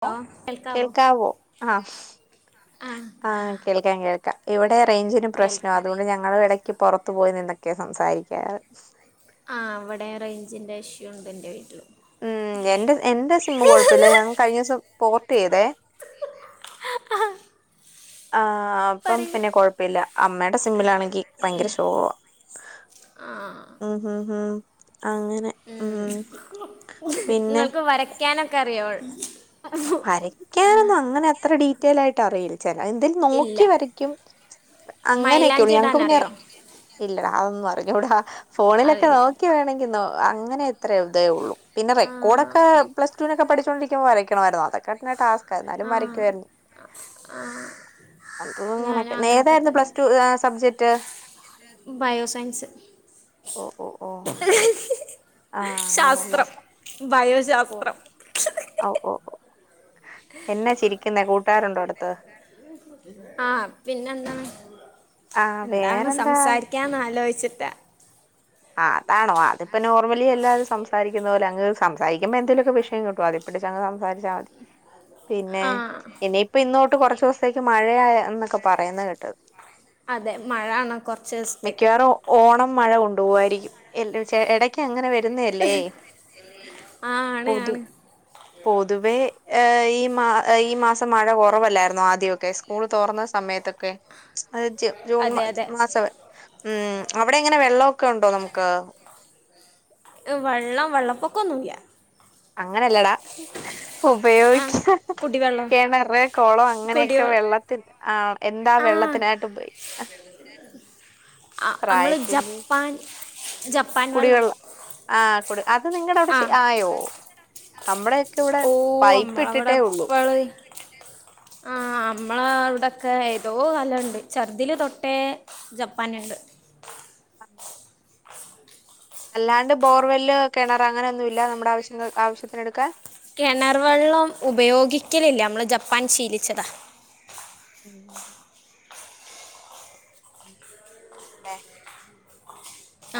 Hello കേൾക്കാവോ ആഹ് ആ ആഹ് കേൾക്കാം കേൾക്കാം ഇവിടെ റെയിഞ്ചിന് പ്രശ്നാ കേൾക്കാം അതോണ്ട് ഞ ഞങ്ങൾ എടക്ക് പൊറത്ത് പോയി നിന്നൊക്കെയാ സംസാരിക്കാറ്. ആഹ് ഇവടെം റെയിഞ്ചിൻ്റെ ഇഷ്യൂണ്ട് എൻ്റെ വീട്ടിലും. മ്മ്ഹ് എന്റെ എന്റെ സിമ്മ് കൊഴപ്പില്ല ഞാൻ കഴിഞ്ഞദിവസം പോർട്ട് ചെയ്തേ. ആഹ് അപ്പം പറയൂ പിന്നെ കൊഴപ്പവില്ല അമ്മേടെ സിമ്മിലാണെങ്കി ഭയങ്കര ശോകവാ ഉംഹ് ഉംഹ് ഉംഹ് അങ്ങനെ ഉംഹ് ഇങ്ങൾക്ക് വരയ്ക്കാനൊക്കെ അറിയോ എനിക്ക് അങ്ങനെ അത്ര ഡീറ്റെയിലായിട്ടറിയില്ല ചെല എന്തേ ഇല്ല നോക്കി വരയ്ക്കും അങ്ങനെയൊക്കെയൊള്ളൂ. മൈലാഞ്ചി ഞങ്ങക്ക് ഇടാൻ പിന്നെ അറിയോ ഇല്ലടാ അതൊന്നും അറിഞ്ഞൂടാ അറിയില്ല ഫോണിലൊക്കെനോക്കി വേണമെങ്കി നോ അങ്ങനെ.. അത്ര ഇതെള്ളൂ പിന്നെ ആ റെക്കോർഡൊക്കെ പ്ലസ് ടുവിനൊക്കെ പഠിച്ചൊണ്ടരിക്കിമ്പൊ വരക്കണമായിര്ന്നു അതൊക്കെന്നെ ടാസ്.. ക്ക എന്നാലും ആ വരക്വാര്ന്നു.. ആ ഞാനും അതുങ്ങനെയെക്കെ അങ്ങനൊക്കെ ഏതായിര്ന്നു തന്നെ പ്ലസ്ടു സബ്ജെക്ട്.. ബയോസയൻസ്.. ഓ ഓ ഓ ശാസ്ത്രം ബയോ. ഔ. ഓ, ഓ, എന്നാ ചിരിക്കുന്നേ കൂട്ടരുണ്ടോ അടുത്ത്.. ആഹ് പിന്നെന്താ ആഹ് എന്താണ് വേറെന്താ സംസാരി ഞാനൊന്ന്ആലോയിച്ചിട്ട.. ആഹ് അതാണോ അതിപ്പൊ നോർമലി എല്ലാരും സംസാരിക്കുന്നപോല അങ് സംസാരിക്കുമ്പോ എന്തേലുക്കെ വിഷയം കിട്ടും അതി പിടിച്ചങ്ങ് സംസാരിച്ചാ മതി. പിന്നെ ആ ഇനിയിപ്പൊ ഇന്ന്തൊട്ട് കൊറച് സത്തേക്ക് മഴയന്നൊക്കെ പറയുന്നത് കേട്ട്.. അതെ മഴയാണ് കൊറച്ച്സ്ത്തേക്ക്.. മിക്കവാറും ഓണം മഴ കൊണ്ടുപോവായിരിക്കും ഇല്ലചെ എടയ്ക്ക് അങ്ങനെവെര്.. വരുന്നല്ലേ ആ ആണ് പൊതു.. ആണ് പൊതുവേ ഈമാ ഈ മാസം മഴ കൊറവല്ലായിര്ന്നോ ആദ്യക്കെ.. സ്കൂൾ തോറന്ന സമയത്തൊക്കെ അത്. ജൂൺ അതെ അതെ മാസം ഉം അവിടെ എങ്ങനെ വെള്ളൊക്കെ ഉണ്ടോ നമുക്ക്. ഇത് വെള്ളം വെള്ളപ്പൊക്കൊന്നുല്ല. അങ്ങനെല്ലടാ ആ ഉപയോഗിക്കൻ. കുടിവെള്ളം കെണറ് കുളം അങ്ങനെയൊക്കെ കുടിവെള്ളം വെള്ളത്തിൽ ആ എന്താ വെള്ളത്തിനായിട്ട് ഉപയോഗി. - ആഹ് നമ്മള് പ്രായത്തിന്റെ ജപ്പാൻ. ജപ്പാൻ വെള്ളം കുടിവെള്ളം ആഹ് കുടി അത് നിങ്ങളുടെ ആ അവിടെ ആയോ നമ്മുടെ. കെ ഇവിടെ ഓ പൈപ്പ് നമ്മളവിടെ ഇട്ടിട്ടേ ഉള്ളൂ. ഇപ്പോൾ ആ നമ്മള ഇവിടെക്കെ ഏതോ കാലണ്ട് ചെർദിൽ തൊട്ടേ. ജപ്പാന്ണ്ട്. ആഹ് അല്ലാണ്ട് ബോർവെല് കിണർ അങ്ങനെന്നുല്ല നമ്മുടെ ആവശ്യങ്ങ ആവശ്യത്തിനടുക്കാൻ. കിണർ വെള്ളം ഉപയോഗിക്കലില്ല നമ്മള് ജപ്പാൻ ശീലിച്ചതാ. ഉം ഉം അതേ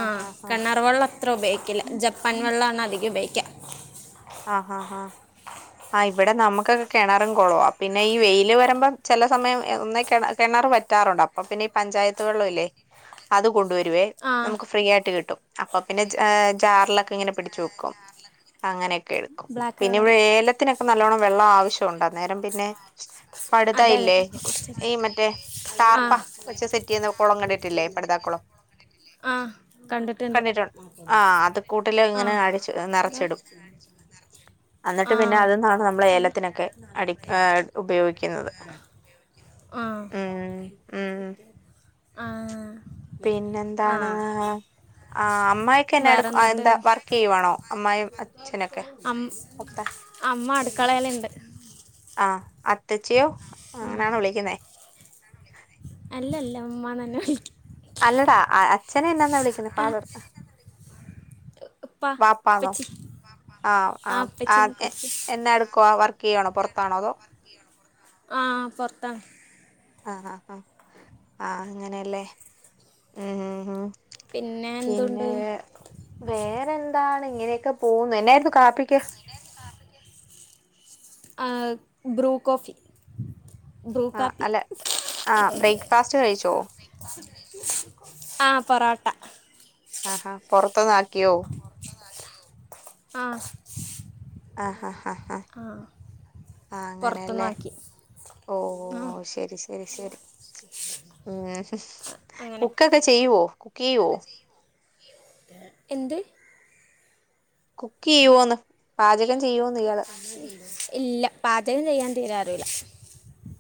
ആഹ് കെണർ വെള്ളം അത്ര ഉപയോഗിക്കില്ല ജപ്പാൻ വെള്ളണ് അധികം ഉപയോഗിക്കുക. ആഹ് ആഹ് ആഹ്. ആ ഇവിടെ നമുക്കൊക്കെ കിണറും കൊളവ പിന്നെ ഈ വെയില് വരുമ്പോൾ ചില സമയം ഒ കിണർ പറ്റാറുണ്ട് അപ്പം. അപ്പൊ പിന്നെ ഈ പഞ്ചായത്തു വെള്ളല്ലേ അത് കൊണ്ടുവരുവേ. ആ നമുക്ക് ഫ്രീ ആയിട്ട് കിട്ടും അപ്പൊ പിന്നെ ജാറിലൊക്കെ ഇങ്ങനെ പിടിച്ചു വെക്കും അങ്ങനെയൊക്കെ. ഒക്കെ എടുക്കും ബ്ലാക്ക് പിന്നെ കളർ ഇവിടെ ഏലത്തിനൊക്കെ നല്ലവണ്ണം വെള്ളം ആവശ്യമുണ്ട് അന്നേരം പിന്നെ. പഠിത അതെ അതെ ഇല്ലേ ഈ മറ്റേ. ആ ടാർപ്പ വെച്ച് സെറ്റ് ചെയ്യുന്ന കുളം കണ്ടിട്ടില്ലേ പടുതാ കുളം. ആ കണ്ടിട്ടുണ്ട് ആ അത് കൂട്ടില് ആ ഇങ്ങനെ അഴിച്ചു നിറച്ചിടും. എന്നിട്ട് ആ പിന്നെ അതിന്നാണ് നമ്മള് ഏലത്തിനൊക്കെ അടി ഉപയോഗിക്കുന്നത്. ആഹ് ഉം ഉം ആഹ് പിന്നെന്താണ് ആ അമ്മ. ക്കെ എന്നായെടു വേറെ എന്തുണ്ട് എന്താ വർക്ക് ചെയ്യുവാണോ അമ്മായും അച്ഛനൊക്കെ അമ്മ മൂത്ത അമ്മ അടുക്കളയിലിണ്ട്. ആ അത്തച്ചിയോ ആ അങ്ങനെയാണ് വിളിക്കുന്ന. അല്ല അല്ല ഉമ്മനന്നെ വിളിക്ക. അല്ലടാ അച്ഛനെ എന്നാന്നാ വിളിക്കുന്ന ആ ഫാദർ നൊ. ഉപ്പ വാപ്പാന്നോ ഉപ്പച്ചി ആഹ് ആ ആഹ് ഉപ്പച്ചി അഹ് എന്നൊക്കെ വിളിക്കും എന്ന എടുക്കുവ വർക്ക്. കെയണോ പുറത്താണോ അതോ. ആ പൊറത്താണ് ആഹ് ആഹ് ആഹ് ആഹ് അങ്ങനെയല്ലേ ഹേ ഹേ ഉ. പിന്നെ പിന്നെ എന്തുണ്ട് വേറെന്താണ് ഇങ്ങനെയൊക്കെ പോകുന്നു എന്നായിരുന്നു കാപ്പിക്ക്. അഹ് ബ്രൂ കോഫി. ബ്രൂ ആഹ് കാപ്പി. അല്ല ആഹ് ബ്രേക്ക്ഫാസ്റ്റ് കഴിച്ചോ ആ പൊറട്ട. ആഹാ പുറത്ത്ന് ആക്കിയോ. ആഹ് ആ ഹാ ആ ആ. ആ അങ്ങനെയല്ലേ പുറത്തുനിന്നാക്കി ഓ ആ ശരി ശരി. ഹേ ശരി ഉ അങ്ങനെ കുക്കൊക്കെ ചെയ്യുവോ കുക്ക് ചെയ്യുവോ. എന്ത് കുക്ക്യ്യുവോന്ന് പാചകം ചെയ്യോന്ന് ഇയാള്. ഇല്ല പാചകം ചെയ്യാൻ തീരെ അറില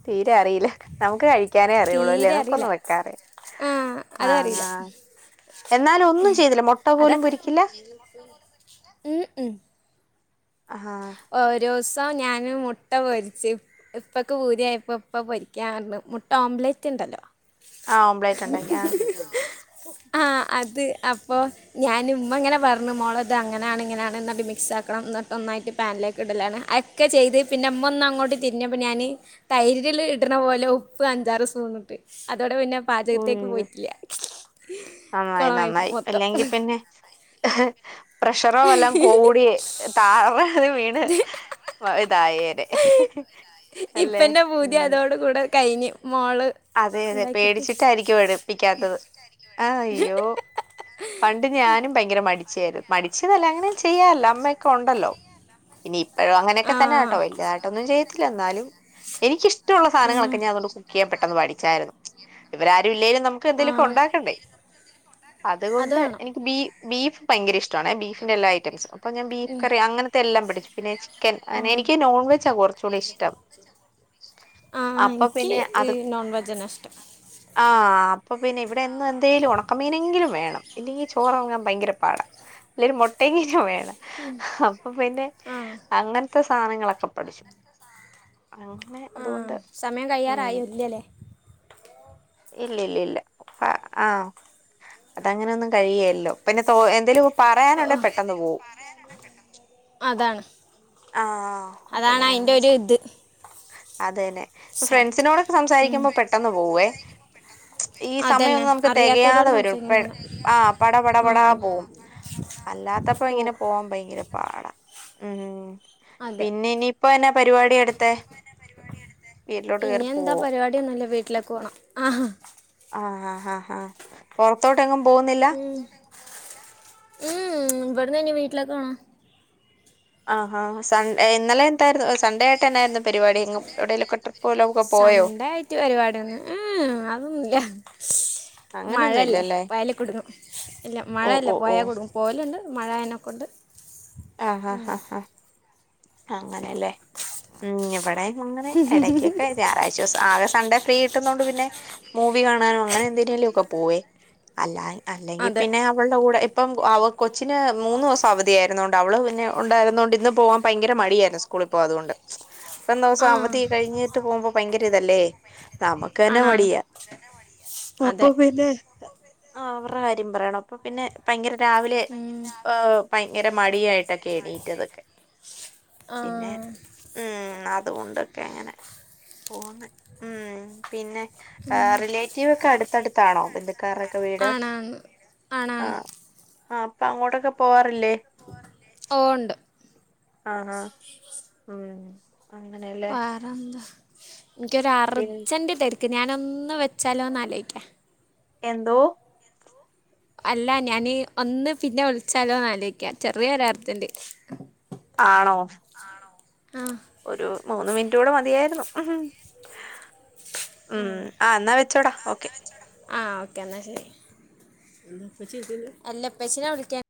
തീരെ അറിയില നമുക്ക് കഴി. ക്കനെ അറിയുള്ളുല്ലേ തീരെ അറിയില്ല നമ്മുക്കൊന്നും വെക്കാൻ അറി അഹ് അഹ് അതാ പൊരിക്കില്ല ഉ ഉ അഹാ ഒരോസം ഞാന് മുട്ട പൊരിച്ച് ഇപ്പക്ക് പൂതിയായപ്പോ ഇപ്പ പൊരിക്കാറഞ്ഞ് മുട്ട ഓംലെറ്റ് ഉണ്ടല്ലോ ആഹ് ഓംപ്ലേറ്റ് ഉണ്ടാക്കി ആഹ് ആഹ് അത് അപ്പോ ഞാന് ഉമ്മ ഇങ്ങനെ പറഞ്ഞു മോളേ ഇത് അങ്ങനെയാണ് ഇങ്ങനെയാണ് എന്നിട്ട് മിക്സാക്കണം എന്നിട്ട് ഒന്നായിട്ട് പാനിലേക്കിടലാണ് അഹെക്കെ ചെയ്ത് പിന്നെ ഉമ്മ ഒന്ന് അങ്ങോട്ട് തിരിഞ്ഞപ്പോ ഞാന് തൈരിലില് ഇടണ പോലെ ഉപ്പ് അഞ്ചാറ് സ്പൂണിട്ട് അതോടെ പിന്നെ പാചകത്തേക്ക് പോയിട്ടില്ല്യാ ആയ്‌ [unintelligible] നന്നായി അല്ലെങ്കി പിന്നെ പ്രഷറോ വല്ലോം കൂടി താറാറ് വീണ് വാ ഇതായേനെ അല്ലേ ഇപ്പെന്റെ ഭൂതി ഉം അതോട് കൂടെ കഴിഞ്ഞു മോള് അതെ അതെ ഉണ്ടാക്കിയിട്ട് പേടിച്ചിട്ടായിരിക്കും ഒഴിപ്പിക്കാത്തത് ആഹ് അയ്യോ പ ണ്ട് ഞാനും ഭയങ്കര മടിച്ചായിരുന്നു മടിച്ചീന്നല്ല അങ്ങനെ ചെയ്യാറില്ല അമ്മയൊക്കെ ഒണ്ടല്ലോ ഇനി ഇപ്പോഴും അങ്ങനെയൊക്കെ ആ തന്നാട്ടോ വലുതായിട്ടൊന്നും ചെയ്യത്തില്ല എന്നാലും എനിക്കഷ്ട്ടൊള്ള ആ സാധനങ്ങളൊക്കെ ഞാൻ അതോണ്ട് കുക്ക് ചെയ്യാൻ പെട്ടെന്ന് പഠിച്ചായിരുന്നു ഇവരാരും ഇല്ലേലും നമുക്ക് എന്തേലൊക്കെ ആ ഉണ്ടാക്കണ്ടേ അത് അതുകൊണ്ട് വേണം എനിക്ക് ബീ ബീഫ് ഭയങ്കര ഇഷ്ടാണേ ഞാൻ ബീഫിന്റെ എല്ലാ ഐറ്റംസും അപ്പൊ ഞാൻ ബീഫ്കറി അങ്ങനത്തെ എല്ലാം പഠിച്ചു പിന്നേ ചി ക്കൻ ആ അയ്ന് എനിക്ക് നോൺവെജാ കൊറച്ചു കൂടി ഇഷ്ടം ആഹ് അപ്പൊ എനിക്ക് പിന്നെ ഹ് അത് നോൺ വെജന്നാ ഇഷ്ടം ആഹ് അപ്പ പിന്നെ ഇവിടെ എന്നും എന്തേലും ഒണക്കമീനെങ്കിലും വേണം ഇല്ലെങ്കി ചോറെറങ്ങാം ഭയ്ങ്കര പാടാ ഇല്ലേ ഒര് മൊട്ടയെങ്കിലും വേ അപ്പൊ പിന്നെ ആ അങ്ങൻ ത്തെ സാനെങ്ങെളൊക്കെ പഠിച്ചു അങ്ങനെ ആ അതുകൊണ്ട് സമയം ഊം കഴിയാറായി ഇല്ലല്ലേ ഇല്ലില്ലില്ലാ ഭ ആഹ് അതങ്ങെനൊന്നും കഴിയേല്ലോ പിന്നെ തോ എന്തേലു പറയാനുണ്ടേ പെട്ടെന്ന് പോവും പറയാനുണ്ടേ പെട്ടെന്ന് പോവും അതാണ് ആഹ് അതാണ് അയ്ന്റാെര് ത് അത് തന്നെ പ്പം ഫ്രണ്ട്സിനോടൊക്കെ സംസാരിക്ക്യുമ്പാെ പെട്ടെന്ന് പോവുവേ ഈ അതന്നെ സമയൊന്നും നമുക്ക് അറിയാത്തവരോട് തെകെയാതെ വെരും സംസാരിക്കണം പെ ഇങ്ങനെ ആഹ് പട പട ആ പടാ പോവും അല്ലാത്തപ്പാെ ഇങ്ങെനെ പോവും പോവാം ഭയ്ങ്കര പാടാ ഊം അതെ പിന്നെ ഇനിയിപ്പ എന്നാ പര്‌വാടി അട്ത്തേ പര്‌വാടി അട്ത്തെ ഇനി എന്താ പരിവാട്യൊന്നുല്ലാ വീട്ട്ലേക്ക് പോണം ആഹാ ആഹ് ഹാ ഹാ പൊറത്തോട്ടെങ്ങും പോവുന്നില്ലാ ഊം ഉം ഇവട്ന്ന്നി വീട്ട്ലേക്കോണം ആഹാ സൺ ഏഹ് ഇന്നെലെ എന്തായ്ര്ന്നു സൺഡേ ട്ടെന്നായ്ര്ന്നു പര്‌വാടി എങ്ങും എവ്ടേലൊക്കെ ട്രിപ്പ് വല്ലോംക്കെ പോയോ സൺഡേ ആയിട്ട് പരിപാടിയൊന്നും അങ്ങനൊന്നും മഴല്ലെ ഇല്ലല്ലേ പോയാല് കുട്ങ്ങും ഇല്ല ഓ മഴെല്ലേ ഓ ഓ പാേയാ കുട്ങ്ങും പോവല്ണ്ട് മഴായേനെ കൊണ്ട് ആഹ് ഹാ ഹാ ഹാ അങ്ങനെലേ ഉം ഇബടേയും ഞങ്ങള് എടയ്ക്കൊക്കെ വെരാ ഒരാശ്വാസം ആകെ സൺഡേ ഫ്രീ കിട്ടുന്നോണ്ട് പിന്നെ മൂവി കാണാനും അങ്ങെനെ എന്തിനേലൊക്കെ പോവേ അല്ലായ് അല്ലെങ്കി അതെ പിന്നെ വൾടെ കൂടെ ഇപ്പം അവ കൊച്ചിന് മൂന്നൂസം അവധിയായ്ര്ന്നോണ്ട് അവള് പിന്നെ ഒണ്ടായ്ര്ന്നോണ്ട് ഇന്ന് പോവാം ഭയ്ങ്കര മടിയായ്ര്ന്നു സ്കൂളിപ്പോവാ അത്കൊണ്ട് ഇത്രേം ആ ദിവ്സം അവധിയൊക്കെ കഴിഞ്ഞീട്ട് പോവുമ്പം ഭയ്ങ്കര ഇതല്ലേ നമുക്ക് തന്നെ ആണാണ് മടിയാ അപ്പ അതെ പിന്നെ ആഹ്‌ അവറ്ടെ കാര്യം പറയണോ അപ്പ പിന്നെ ഭയ്ങ്കര രാവിലെ ഉം. ഭയ്ങ്കര മടിയായിട്ടൊക്കെ എണീറ്റതൊക്കെ ആ പിന്നേ ഊം അത്കൊണ്ടൊക്കെ അങ്ങെനെ പോവ്ന്ന് ഊം പിന്നെ ആഹ് റിലേറ്റീവാെക്കെ അട്ത്തട്ത്താണോ ബെന്ധ്ക്കാറ്ടൊക്കെ വീട് ആണാണ് ആണാണ് ആഹ്‌ അപ്പൊ അങ്ങോട്ടൊക്കെ പോവാറില്ലേ പോവാറില്ലേ ഓഹ് ഉണ്ട് ആഹ്‌ ആഹ്‌ [unintelligible] വേറെന്താ പിൻ ൻക്ക്യൊരർജെന്റ് തെര്ക്ക് ഞാനൊന്ന് വെച്ചാലോന്നാലോയ്ക്ക്യാ എന്തോ അല്ലാ ഞാന് ഒന്ന് പിന്നെ വിൾച്ചാലോന്നാലോയ്ക്ക്യാ ചെറിയൊരർജെന്റ് ആണോ ആഹ്‌ ഒരു മൂന്ന് മിൻറ്റൂടെ മതിയായ്ര്ന്നു ഉം ആഹ്‌ ന്നാ വെച്ചോടാ ഓക്കെ ആഹ്‌ ഓക്കെ എന്നാ ശെരി അല്ല പ്പെച്ചിനെ വിളിക്ക്യാൻ